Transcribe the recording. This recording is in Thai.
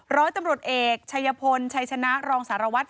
ร้อยตำรวจเอกชัยพลชัยชนะรองสารวัตร